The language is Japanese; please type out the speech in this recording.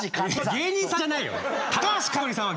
芸人さんじゃないよ。